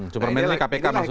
supermannya kpk maksudnya